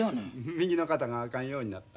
右の肩があかんようになった。